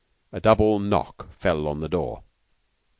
A double knock fell on the door.